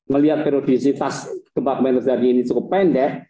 melihat periodisitas gempa gemba terjadi ini cukup pendek